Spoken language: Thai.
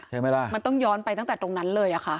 ใช่ไหมล่ะมันต้องย้อนไปตั้งแต่ตรงนั้นเลยอะค่ะ